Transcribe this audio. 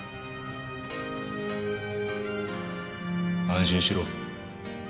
安心しろ。